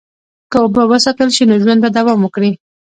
که اوبه وساتل شي، نو ژوند به دوام وکړي.